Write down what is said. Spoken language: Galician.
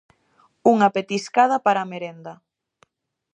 Unha petiscada para a merenda.